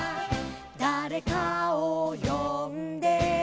「だれかをよんで」